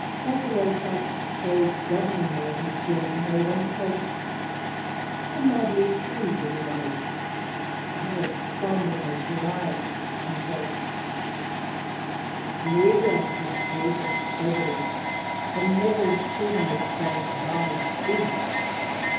Thackeray shouts praise grudgingly of his German heroine :" How madly true the woman is, and how astoundingly she lies !" Ameha was true, but soberly, and never, as children would say, "lied big."